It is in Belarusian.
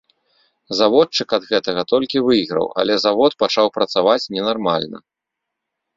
Заводчык ад гэтага толькі выйграў, але завод пачаў працаваць ненармальна.